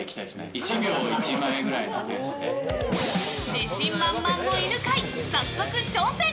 自信満々の犬飼、早速挑戦！